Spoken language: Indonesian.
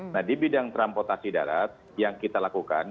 nah di bidang transportasi darat yang kita lakukan